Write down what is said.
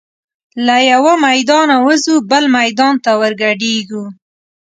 له یوه میدانه وزو بل میدان ته ور ګډیږو